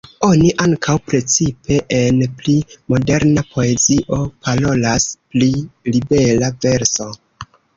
Oni ankaŭ, precipe en pli "moderna" poezio, parolas pri libera verso.